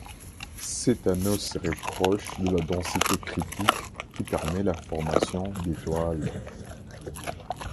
Cet anneau serait proche de la densité critique qui permet la formation d'étoiles.